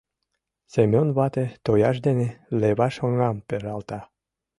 — Семён вате тояж дене леваш оҥам пералта.